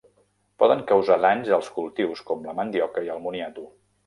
Poden causar danys als cultius, com la mandioca i el moniato.